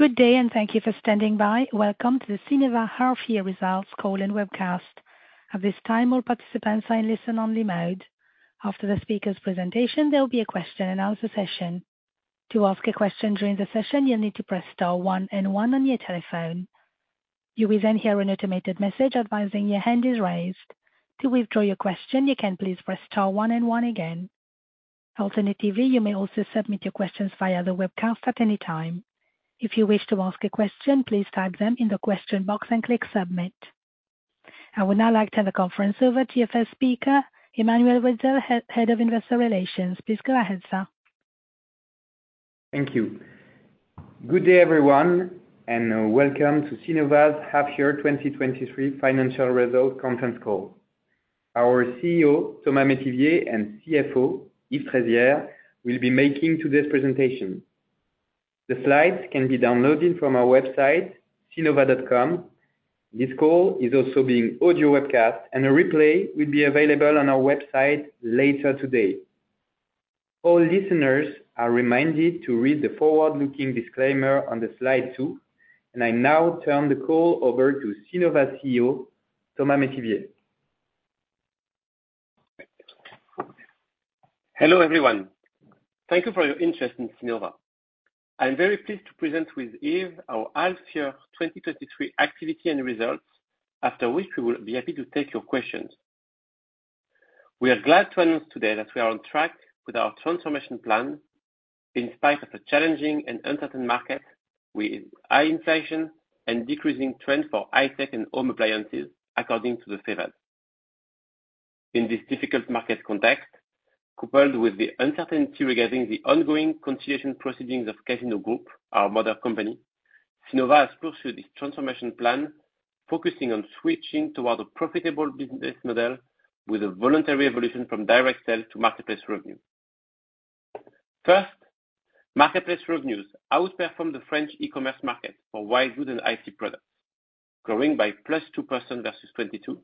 Good day, thank you for standing by. Welcome to the Cnova Half Year Results Call and Webcast. At this time, all participants are in listen only mode. After the speaker's presentation, there will be a question and answer session. To ask a question during the session, you'll need to press star one and one on your telephone. You will then hear an automated message advising your hand is raised. To withdraw your question, you can please press star one and one again. Alternatively, you may also submit your questions via the webcast at any time. If you wish to ask a question, please type them in the question box and click submit. I would now like to turn the conference over to your first speaker, Emmanuel Wetzel, Head of Investor Relations. Please go ahead, sir. Thank you. Good day, everyone, and welcome to Cnova's Half Year 2023 Financial Result Content Call. Our CEO, Thomas Métivier, and CFO, Yves Trézières, will be making today's presentation. The slides can be downloaded from our website, Cnova.com. This call is also being audio webcast, and a replay will be available on our website later today. All listeners are reminded to read the forward-looking disclaimer on slide 2, and I now turn the call over to Cnova's CEO, Thomas Métivier. Hello, everyone. Thank you for your interest in Cnova. I'm very pleased to present with Yves, our half year 2023 activity and results. After which, we will be happy to take your questions. We are glad to announce today that we are on track with our transformation plan, in spite of a challenging and uncertain market with high inflation and decreasing trend for high-tech and home appliances, according to the favorite. In this difficult market context, coupled with the uncertainty regarding the ongoing consolidation proceedings of Casino Group, our mother company, Cnova has pursued its transformation plan, focusing on switching toward a profitable business model with a voluntary evolution from direct sales to marketplace revenue. First, marketplace revenues outperformed the French e-commerce market for wide goods and IT products, growing by +2% versus 2022,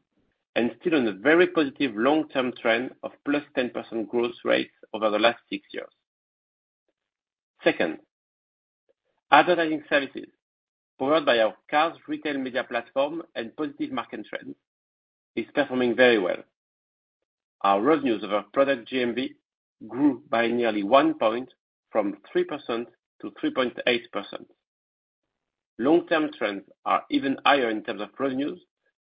and still on a very positive long-term trend of +10% growth rates over the last 6 years. Second, advertising services, powered by our CARS, retail media platform and positive market trend, is performing very well. Our revenues over product GMV grew by nearly 1 point from 3%-3.8%. Long-term trends are even higher in terms of revenues,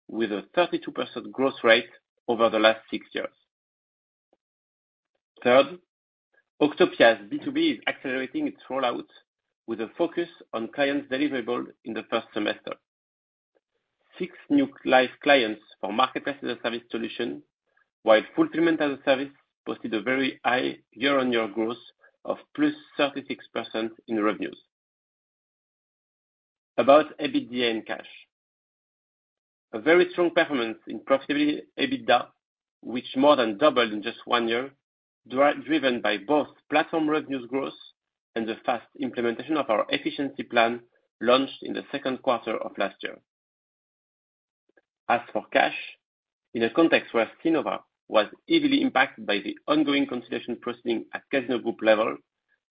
with a 32% growth rate over the last six years. Third, Octopia's B2B is accelerating its rollout with a focus on clients deliverable in the 1st semester. Six new live clients for marketplace as a service solution, while fulfillment as a service posted a very high year-on-year growth of +36% in revenues. About EBITDA and cash. A very strong performance in profitability, EBITDA, which more than doubled in just one year, driven by both platform revenues growth and the fast implementation of our efficiency plan launched in the second quarter of last year. In a context where Cnova was heavily impacted by the ongoing consolidation proceeding at Casino Group level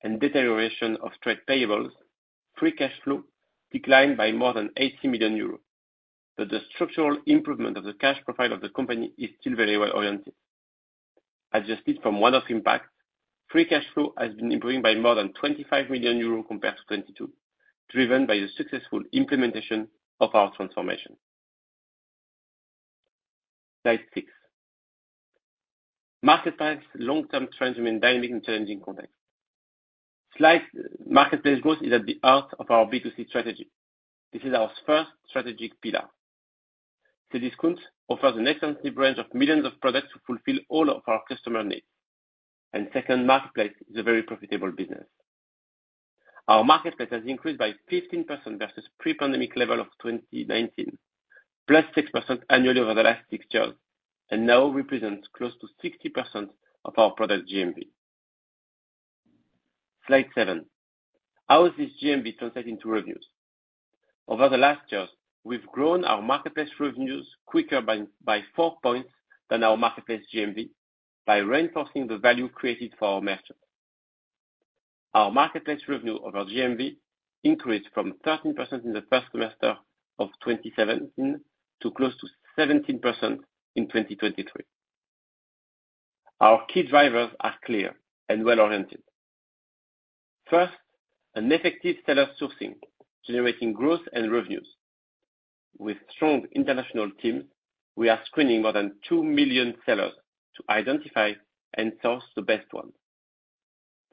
and deterioration of trade payables, free cash flow declined by more than 80 million euros. The structural improvement of the cash profile of the company is still very well oriented. Adjustments from one-off impact, free cash flow has been improving by more than 25 million euros compared to 2022, driven by the successful implementation of our transformation. Slide 6. Marketplace long-term trends remain dynamic and challenging context. Marketplace growth is at the heart of our B2C strategy. This is our first strategic pillar. Cdiscount offers an extensive range of millions of products to fulfill all of our customer needs. Second, marketplace is a very profitable business. Our marketplace has increased by 15% versus pre-pandemic level of 2019, +6% annually over the last six years, and now represents close to 60% of our product GMV. Slide 7. How is this GMV translating to revenues? Over the last years, we've grown our marketplace revenues quicker by, by four points than our marketplace GMV by reinforcing the value created for our merchants. Our marketplace revenue over GMV increased from 13% in the first semester of 2017 to close to 17% in 2023. Our key drivers are clear and well-oriented. First, an effective seller sourcing, generating growth and revenues. With strong international teams, we are screening more than two million sellers to identify and source the best one.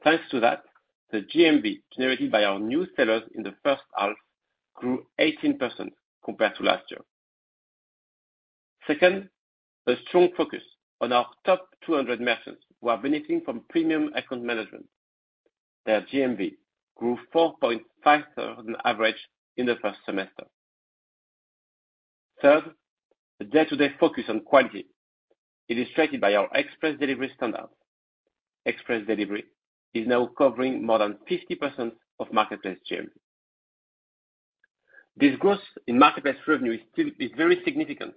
Thanks to that, the GMV generated by our new sellers in the first half grew 18% compared to last year. Second, a strong focus on our top 200 merchants, who are benefiting from premium account management. Their GMV grew 4.5% than average in the first semester. Third, the day-to-day focus on quality. Illustrated by our express delivery standard. Express delivery is now covering more than 50% of marketplace GM-... This growth in marketplace revenue is still, is very significant,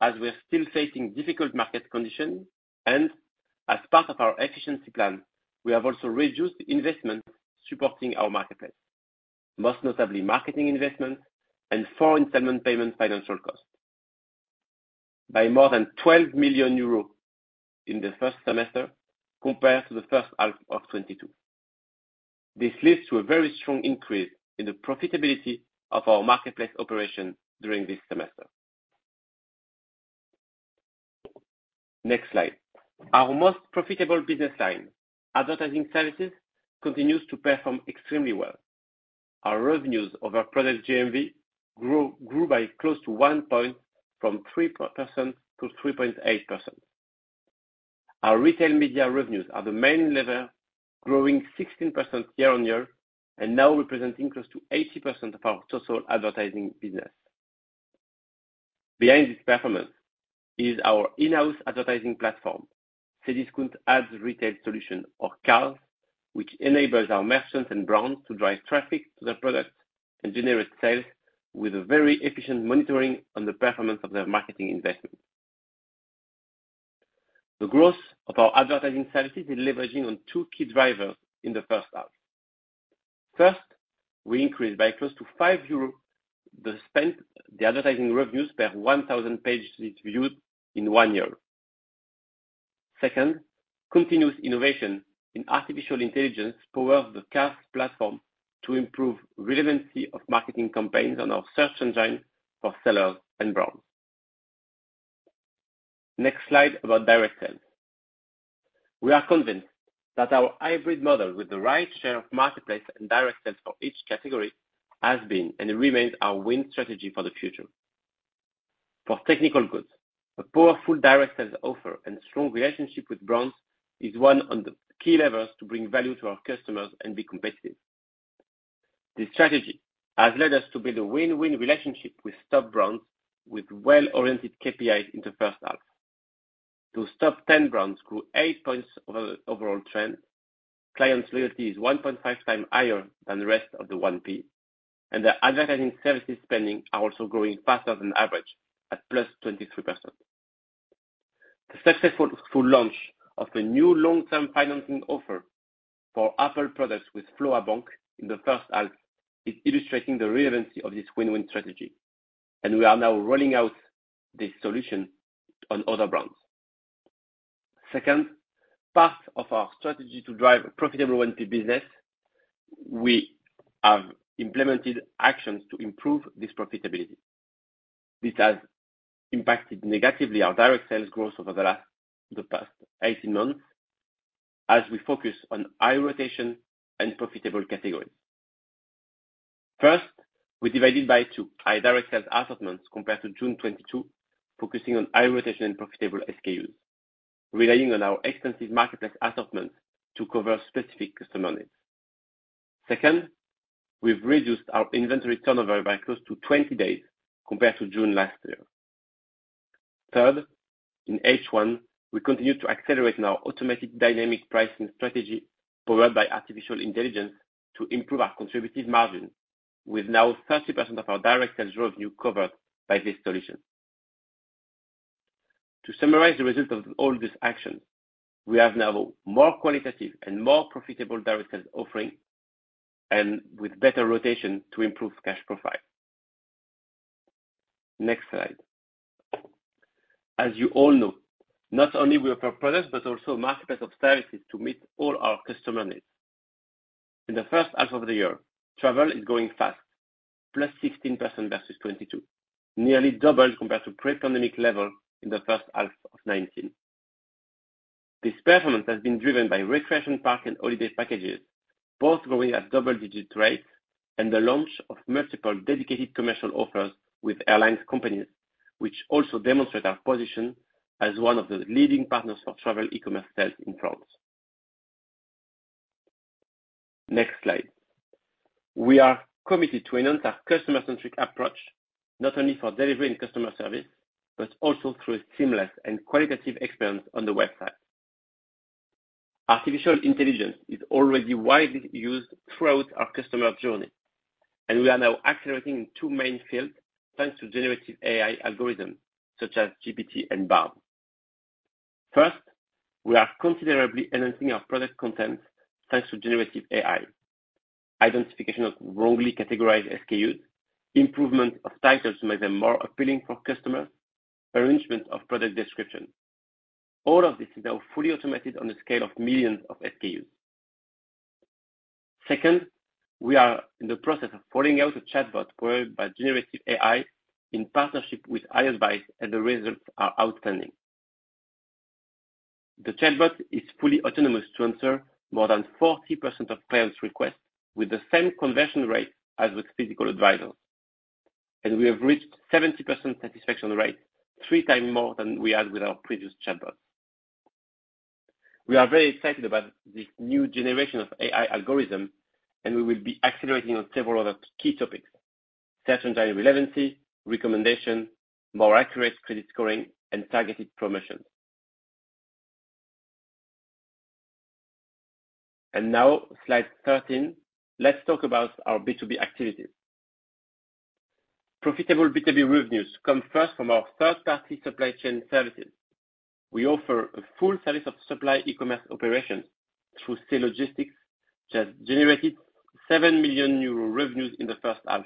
as we are still facing difficult market conditions. As part of our efficiency plan, we have also reduced investment supporting our marketplace, most notably marketing investments and foreign settlement payment financial costs, by more than 12 million euros in the first semester compared to the first half of 2022. This leads to a very strong increase in the profitability of our marketplace operation during this semester. Next slide. Our most profitable business line, advertising services, continues to perform extremely well. Our revenues over product GMV grew by close to one point, from 3%-3.8%. Our retail media revenues are the main lever, growing 16% year-on-year, and now representing close to 80% of our total advertising business. Behind this performance is our in-house advertising platform, Cdiscount Ads Retail Solution, or CARS, which enables our merchants and brands to drive traffic to their products and generate sales with a very efficient monitoring on the performance of their marketing investment. The growth of our advertising services is leveraging on two key drivers in the first half. First, we increased by close to 5 euros, the spent, the advertising revenues per 1,000 pages viewed in one year. Second, continuous innovation in artificial intelligence powers the CARS platform to improve relevancy of marketing campaigns on our search engine for sellers and brands. Next slide, about direct sales. We are convinced that our hybrid model, with the right share of marketplace and direct sales for each category, has been and remains our win strategy for the future. For technical goods, a powerful direct sales offer and strong relationship with brands is one of the key levers to bring value to our customers and be competitive. This strategy has led us to build a win-win relationship with top brands, with well-oriented KPIs in the first half. To stop 10 brands grew 8 points over the overall trend. Client loyalty is 1.5 times higher than the rest of the 1P, and the advertising services spending are also growing faster than average, at +23%. The successful full launch of the new long-term financing offer for Apple products with Floa Bank in the first half, is illustrating the relevancy of this win-win strategy, and we are now rolling out this solution on other brands. Second, part of our strategy to drive profitable 1P business, we have implemented actions to improve this profitability. This has impacted negatively our direct sales growth over the last, the past 18 months, as we focus on high rotation and profitable categories. First, we divided by two our direct sales assortments compared to June 2022, focusing on high rotation and profitable SKUs, relying on our extensive marketplace assortment to cover specific customer needs. Second, we've reduced our inventory turnover by close to 20 days compared to June last year. Third, in H1, we continued to accelerate our automatic dynamic pricing strategy, powered by artificial intelligence, to improve our contributed margin, with now 30% of our direct sales revenue covered by this solution. To summarize the results of all this action, we have now more qualitative and more profitable direct sales offering, with better rotation to improve cash profile. Next slide. As you all know, not only we offer products, but also marketplace of services to meet all our customer needs. In the first half of the year, travel is growing fast, +16% versus 2022, nearly double compared to pre-pandemic level in the first half of 2019. This performance has been driven by recreation park and holiday packages, both growing at double-digit rates and the launch of multiple dedicated commercial offers with airlines companies, which also demonstrate our position as one of the leading partners for travel e-commerce sales in France. Next slide. We are committed to enhance our customer-centric approach, not only for delivery and customer service, but also through a seamless and qualitative experience on the website. Artificial intelligence is already widely used throughout our customer journey, and we are now accelerating in two main fields, thanks to generative AI algorithms such as GPT and Bard. First, we are considerably enhancing our product content, thanks to generative AI. Identification of wrongly categorized SKUs, improvement of titles to make them more appealing for customers, arrangement of product description. All of this is now fully automated on the scale of millions of SKUs. Second, we are in the process of rolling out a chatbot powered by generative AI in partnership with iAdvize, and the results are outstanding. The chatbot is fully autonomous to answer more than 40% of paying requests with the same conversion rate as with physical advisors, and we have reached 70% satisfaction rate, three times more than we had with our previous chatbot. We are very excited about this new generation of AI algorithm, and we will be accelerating on several other key topics: search engine relevancy, recommendation, more accurate credit scoring, and targeted promotions. Now slide 13, let's talk about our B2B activities. Profitable B2B revenues come first from our third-party supply chain services. We offer a full service of supply e-commerce operations through C-Logistics, which has generated 7 million euro revenues in the first half,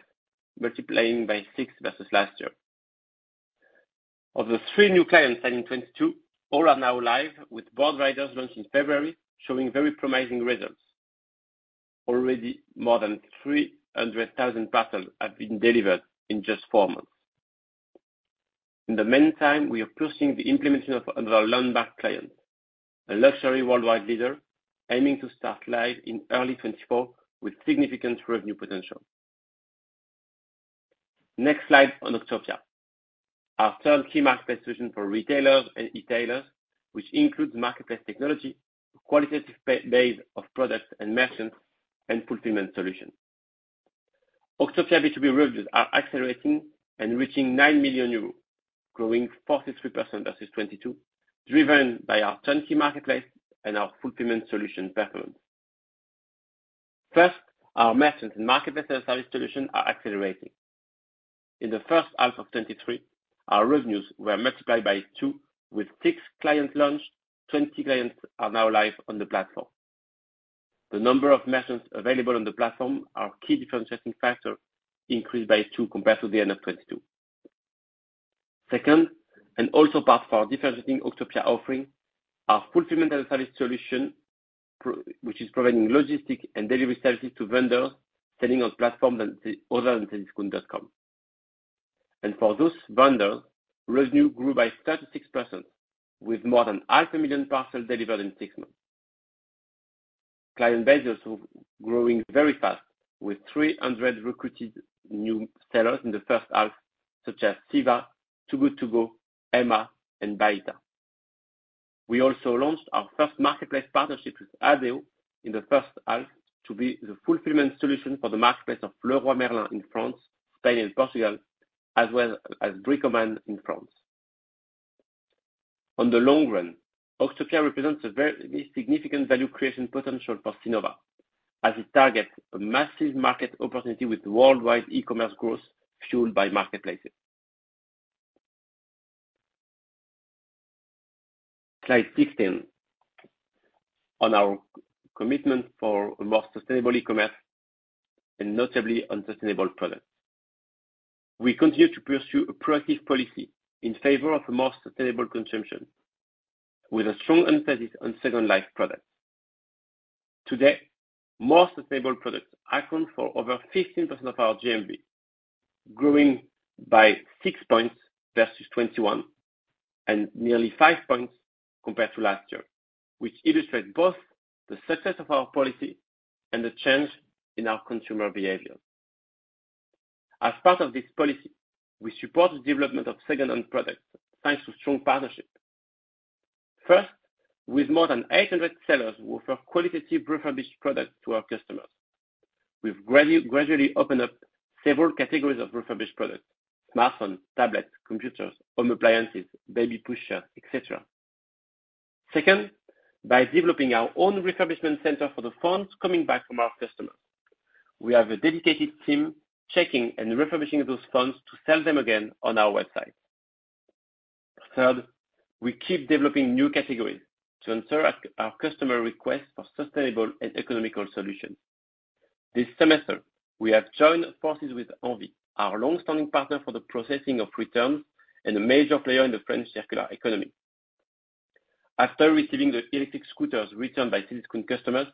multiplying by six versus last year. Of the three new clients signing 2022, all are now live with Boardriders launched in February, showing very promising results. Already, more than 300,000 parcels have been delivered in just four months. In the meantime, we are pushing the implementation of another landmark client, a luxury worldwide leader, aiming to start live in early 2024 with significant revenue potential. Next slide on Octopia. Our third key marketplace solution for retailers and e-tailers, which includes marketplace technology, qualitative base of products and merchants, and fulfillment solutions. Octopia B2B revenues are accelerating and reaching 9 million euros, growing 43% versus 2022, driven by our turnkey marketplace and our fulfillment solution performance. First, our merchants and marketplace service solution are accelerating. In the first half of 2023, our revenues were multiplied by two, with six clients launched. 20 clients are now live on the platform. The number of merchants available on the platform, our key differentiating factor, increased by two compared to the end of 2022. Second, also part of our differentiating Octopia offering, our fulfillment and service solution which is providing logistic and delivery services to vendors selling on platforms other than Cdiscount.com. For those vendors, revenue grew by 36%, with more than 500,000 parcels delivered in six months. Client base is growing very fast, with 300 recruited new sellers in the first half, such as Siva, Too Good To Go, Emma, and Bayta. We also launched our first marketplace partnership with Adeo in the first half to be the fulfillment solution for the marketplace of Leroy Merlin in France, Spain, and Portugal, as well as Bricoman in France. On the long run, Octopia represents a very significant value creation potential for Cnova, as it targets a massive market opportunity with worldwide e-commerce growth fueled by marketplaces. Slide 15. On our commitment for a more sustainable e-commerce and notably on sustainable products. We continue to pursue a proactive policy in favor of a more sustainable consumption, with a strong emphasis on second life products. Today, more sustainable products account for over 15% of our GMV, growing by 6 points versus 2021, and nearly five points compared to last year, which illustrate both the success of our policy and the change in our consumer behavior. As part of this policy, we support the development of second-hand products, thanks to strong partnership. First, with more than 800 sellers who offer qualitative refurbished products to our customers. We've gradually opened up several categories of refurbished products, smartphones, tablets, computers, home appliances, baby pushchairs, et cetera. Second, by developing our own refurbishment center for the phones coming back from our customers. We have a dedicated team checking and refurbishing those phones to sell them again on our website. Third, we keep developing new categories to answer our customer requests for sustainable and economical solutions. This semester, we have joined forces with Envie, our long-standing partner for the processing of returns and a major player in the French circular economy. After receiving the electric scooters returned by Cdiscount customers,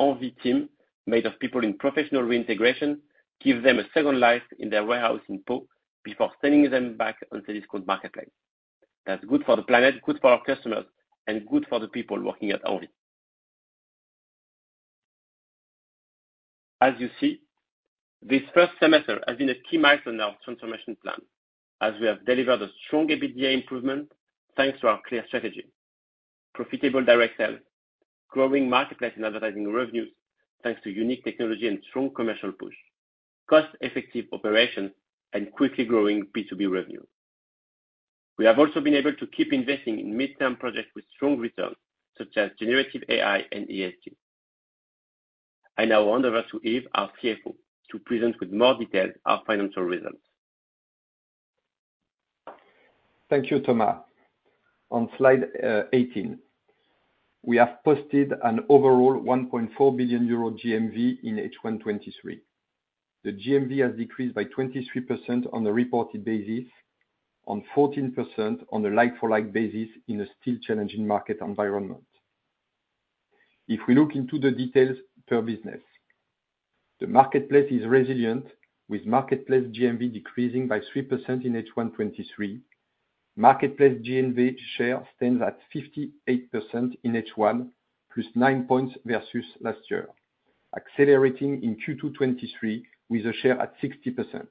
Envie team, made of people in professional reintegration, give them a second life in their warehouse in Pau, before sending them back on Cdiscount marketplace. That's good for the planet, good for our customers, and good for the people working at Envie. As you see, this first semester has been a key milestone in our transformation plan, as we have delivered a strong EBITDA improvement, thanks to our clear strategy. Profitable direct sales, growing marketplace and advertising revenues, thanks to unique technology and strong commercial push, cost-effective operations, and quickly growing B2B revenue. We have also been able to keep investing in midterm projects with strong returns, such as generative AI and ESG. I now hand over to Yves, our CFO, to present with more details our financial results. Thank you, Thomas. On slide 18, we have posted an overall 1.4 billion euro GMV in H1 2023. The GMV has decreased by 23% on a reported basis, on 14% on a like-for-like basis in a still challenging market environment. If we look into the details per business, the marketplace is resilient, with marketplace GMV decreasing by 3% in H1 2023. Marketplace GMV share stands at 58% in H1, +9 points versus last year, accelerating in Q2 2023, with a share at 60%.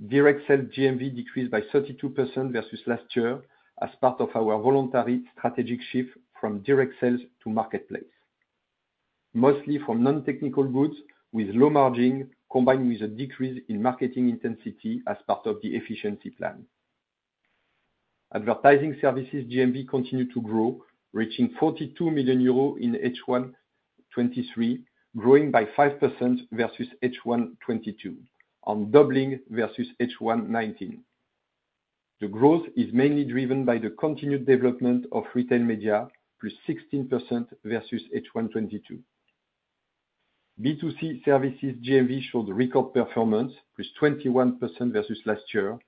Direct sales GMV decreased by 32% versus last year, as part of our voluntary strategic shift from direct sales to marketplace, mostly from non-technical goods with low margin, combined with a decrease in marketing intensity as part of the efficiency plan. Advertising services GMV continued to grow, reaching 42 million euros in H1 2023, growing by 5% versus H1 2022, on doubling versus H1 2019. The growth is mainly driven by the continued development of retail media, +16% versus H1 2022. B2C services GMV showed record performance, +21% versus last year,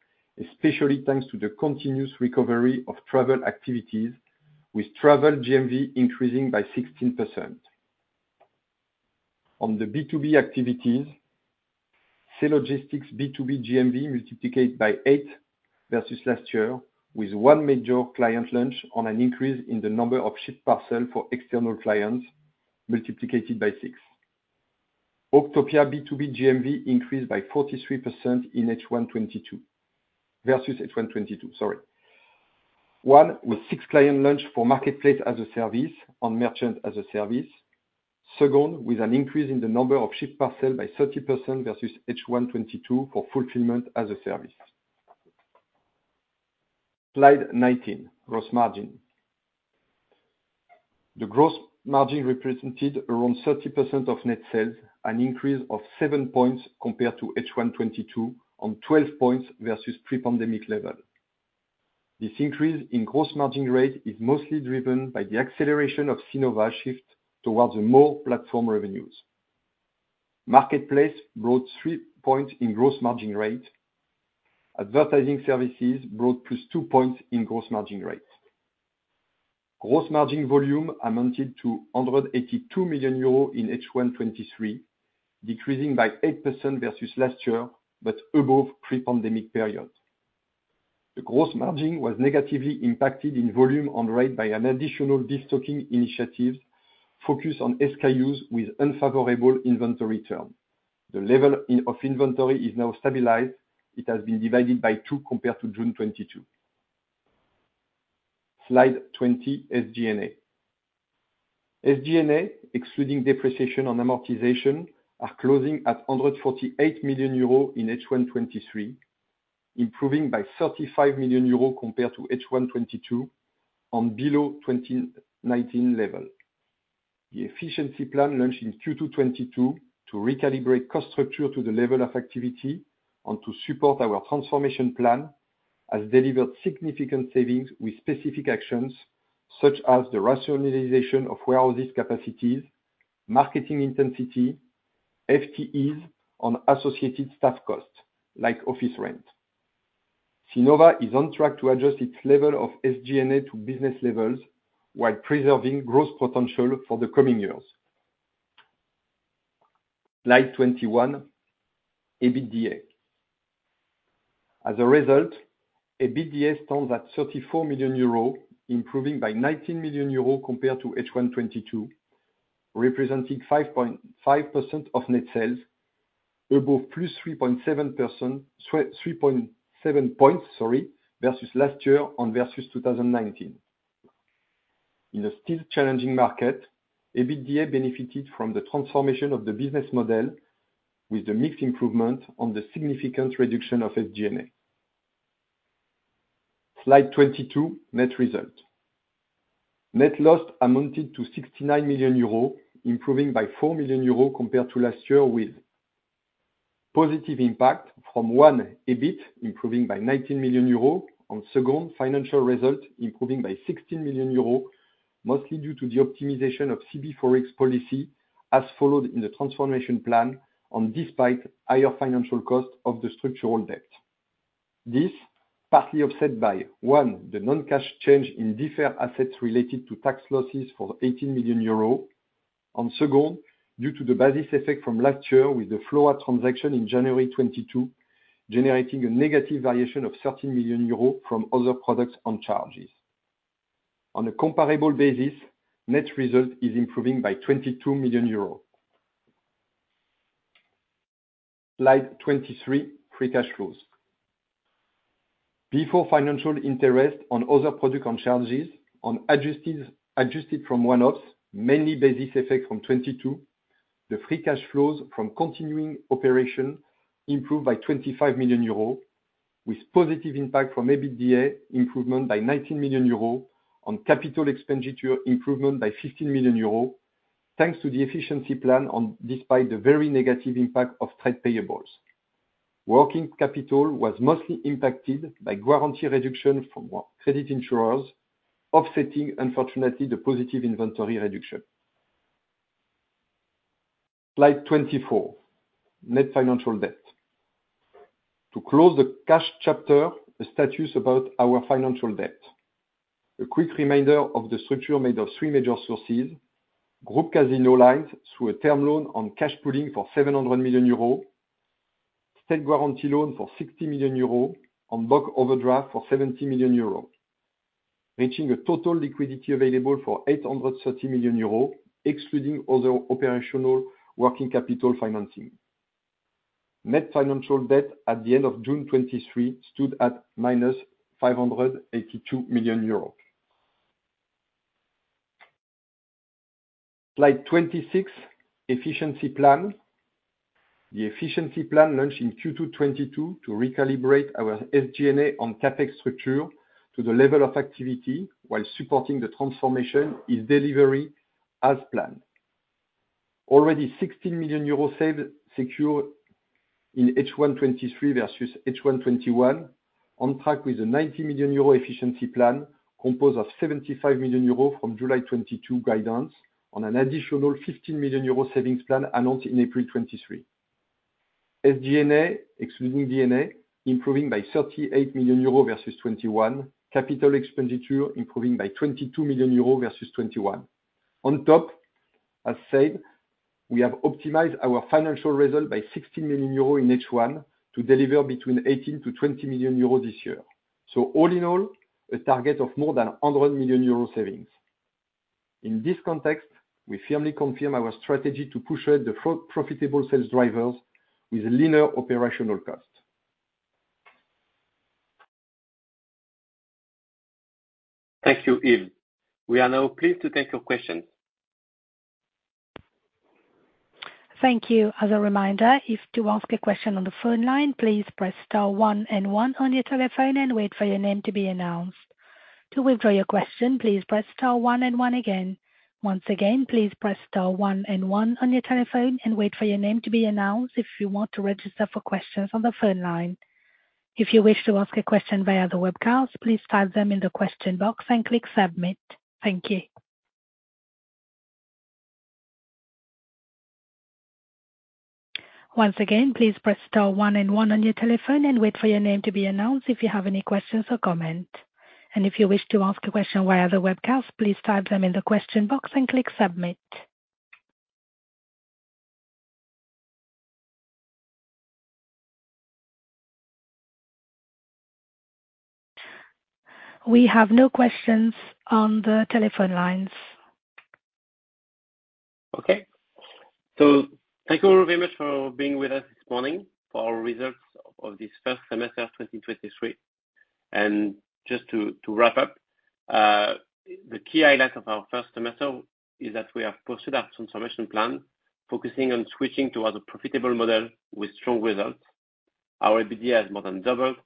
especially thanks to the continuous recovery of travel activities, with travel GMV increasing by 16%. The B2B activities, C-Logistics B2B GMV multiplied by eight versus last year, with one major client launch on an increase in the number of ship parcel for external clients, multiplied by six. Octopia B2B GMV increased by 43% in H1 2022 versus H1 2022, sorry. one, with six client launch for marketplace as a service on merchant as a service. Second, with an increase in the number of ship parcel by 30% versus H1 2022 for fulfillment as a service. Slide 19, gross margin. The gross margin represented around 30% of net sales, an increase of seven points compared to H1 2022, on 12 points versus pre-pandemic level. This increase in gross margin rate is mostly driven by the acceleration of Cnova shift towards more platform revenues. Marketplace brought three points in gross margin rate. Advertising services brought plus two points in gross margin rate. Gross margin volume amounted to 182 million euros in H1 2023, decreasing by 8% versus last year, but above pre-pandemic period. The gross margin was negatively impacted in volume on rate by an additional destocking initiative, focused on SKUs with unfavorable inventory term. The level of inventory is now stabilized. It has been divided by two, compared to June 2022. Slide 20, SG&A. SG&A, excluding depreciation and amortization, are closing at 148 million euros in H1 2023, improving by 35 million euros compared to H1 2022 and below 2019 level. The efficiency plan launched in Q2 2022 to recalibrate cost structure to the level of activity and to support our transformation plan, has delivered significant savings with specific actions, such as the rationalization of warehouses capacities, marketing intensity, FTEs and associated staff costs, like office rent. Cnova is on track to adjust its level of SG&A to business levels, while preserving growth potential for the coming years. Slide 21, EBITDA. As a result, EBITDA stands at 34 million euros, improving by 19 million euros compared to H1 2022, representing 5% of net sales, above +3.7 percentage points, sorry, versus last year on versus 2019. In a still challenging market, EBITDA benefited from the transformation of the business model with the mixed improvement on the significant reduction of SG&A. Slide 22, net result. Net loss amounted to 69 million euros, improving by 4 million euros compared to last year, with positive impact from, one, EBIT, improving by 19 million euros, and second, financial result, improving by 16 million euros, mostly due to the optimization of CIB Forex policy, as followed in the transformation plan on despite higher financial cost of the structural debt. This partly offset by, one, the non-cash change in deferred assets related to tax losses for 18 million euros, Second, due to the basis effect from last year with the Floa transaction in January 2022, generating a negative variation of 13 million euros from other products on charges. On a comparable basis, net result is improving by 22 million euros. Slide 23, free cash flows. Before financial interest on other product on charges, adjusted from one-offs, mainly basis effect from 2022, the free cash flows from continuing operation improved by 25 million euros, with positive impact from EBITDA improvement by 19 million euros, on capital expenditure improvement by 15 million euros, thanks to the efficiency plan on despite the very negative impact of trade payables. Working capital was mostly impacted by guarantee reduction from credit insurers, offsetting, unfortunately, the positive inventory reduction. Slide 24, net financial debt. To close the cash chapter, a status about our financial debt. A quick reminder of the structure made of three major sources: Groupe Casino lines through a term loan on cash pooling for 700 million euros, state guarantee loan for 60 million euros, and bank overdraft for 70 million euros, reaching a total liquidity available for 830 million euros, excluding other operational working capital financing. Net financial debt at the end of June 2023, stood at minus 582 million euros. Slide 26, efficiency plan. The efficiency plan launched in Q2 2022 to recalibrate our SG&A on CapEx structure to the level of activity, while supporting the transformation, is delivery as planned. Already 16 million euros saved, secure in H1 2023 versus H1 2021, on track with a 90 million euro efficiency plan, composed of 75 million euro from July 2022 guidance on an additional 15 million euro savings plan announced in April 2023. SG&A, excluding D&A, improving by 38 million euros versus 2021. Capital expenditure improving by 22 million euros versus 2021. On top, as said, we have optimized our financial result by 60 million euros in H1, to deliver between 18 million-20 million euros this year. All in all, a target of more than 100 million euros savings. In this context, we firmly confirm our strategy to push ahead the pro- profitable sales drivers with linear operational costs. Thank you, Yves. We are now pleased to take your questions. Thank you. As a reminder, if to ask a question on the phone line, please press star one and one on your telephone and wait for your name to be announced. To withdraw your question, please press star one and one again. Once again, please press star one and one on your telephone and wait for your name to be announced, if you want to register for questions on the phone line. If you wish to ask a question via the webcast, please type them in the question box and click submit. Thank you. Once again, please press star one and one on your telephone and wait for your name to be announced, if you have any questions or comment. If you wish to ask a question via the webcast, please type them in the question box and click submit. We have no questions on the telephone lines. Okay. Thank you all very much for being with us this morning, for our results of this 1st semester of 2023. Just to, to wrap up, the key highlight of our 1st semester is that we have pursued our transformation plan, focusing on switching to other profitable model with strong results. Our EBITDA has more than doubled,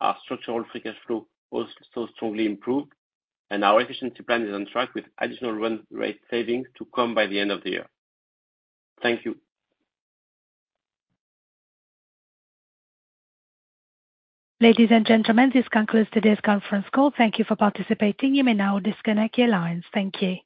our structural free cash flow also strongly improved, and our efficiency plan is on track with additional run rate savings to come by the end of the year. Thank you. Ladies and gentlemen, this concludes today's conference call. Thank you for participating. You may now disconnect your lines. Thank you.